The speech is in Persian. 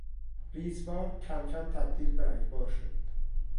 ریز بار کمکم تبدیل به رگبار شد.